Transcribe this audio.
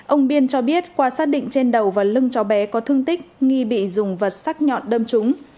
ông biên cho biết qua xác định trên đầu và lưng cháu bé có thương tích nghi bị dùng vật sắc nhọn đâm trúng